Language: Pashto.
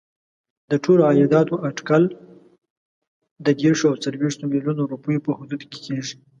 د ټولو عایداتو اټکل د دېرشو او څلوېښتو میلیونو روپیو په حدودو کې کېږي.